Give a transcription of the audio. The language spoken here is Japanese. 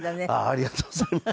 ありがとうございます。